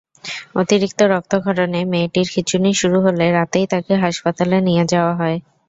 অতিরিক্ত রক্তক্ষরণে মেয়েটির খিঁচুনি শুরু হলে রাতেই তাকে হাসপাতালে নিয়ে যাওয়া হয়।